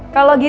kalau gitu ya